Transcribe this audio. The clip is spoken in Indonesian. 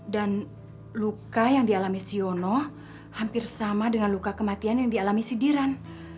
dan luka yang dialami si yono hampir sama dengan luka kematian yang dialami sidiran